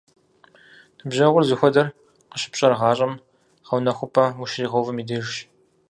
Ныбжьэгъур зыхуэдэр къыщыпщӀэр гъащӀэм гъэунэхупӀэ ущригъэувэм и дежщ.